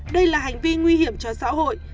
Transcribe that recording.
đây là hành vi nguy hiểm cho xã hội